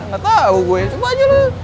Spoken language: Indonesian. gak tau gue coba aja lu